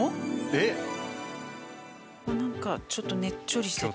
なんかちょっとねっちょりしてて。